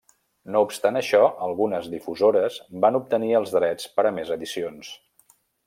No obstant això, algunes difusores van obtenir els drets per a més edicions.